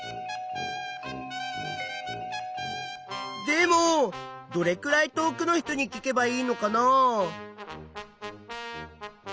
でもどれくらい遠くの人に聞けばいいのかな？